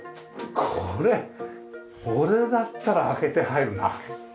これ俺だったら開けて入るな。